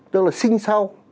chúng ta là sinh sau